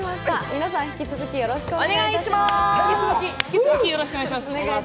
皆さん、引き続きよろしくお願いします。